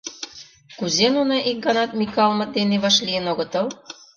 Кузе нуно ик ганат Микалмыт дене вашлийын огытыл?..